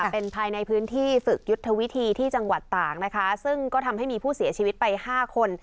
เป็นภายในพื้นที่ฝึกยุทธวิธีที่จังหวัดตากนะคะซึ่งก็ทำให้มีผู้เสียชีวิตไป๕คน